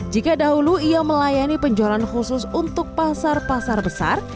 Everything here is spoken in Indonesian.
jika dahulu ia melayani penjualan khusus untuk pasar pasar besar